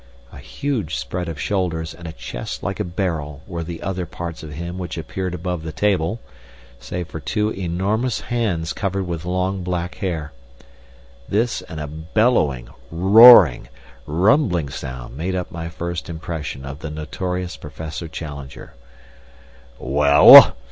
A huge spread of shoulders and a chest like a barrel were the other parts of him which appeared above the table, save for two enormous hands covered with long black hair. This and a bellowing, roaring, rumbling voice made up my first impression of the notorious Professor Challenger. "Well?"